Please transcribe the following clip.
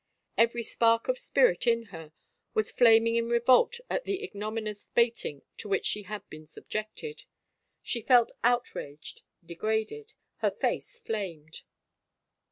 Every spark of spirit in her was flaming in revolt at the ignominious baiting to which she had been subjected. She felt outraged, degraded; her face flamed.